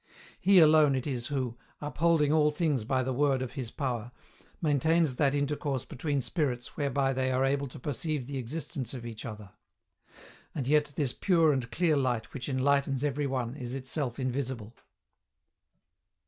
He alone it is who, "upholding all things by the word of His power," maintains that intercourse between spirits whereby they are able to perceive the existence of each other. And yet this pure and clear light which enlightens every one is itself invisible.